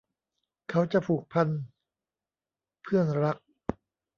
เขาจะผูกพัน เพื่อนรัก